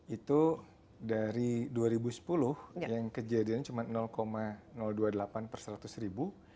itu dari dua ribu sepuluh yang kejadiannya cuma dua puluh delapan per seratus ribu